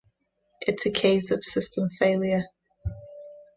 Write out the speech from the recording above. It's a case of system failure.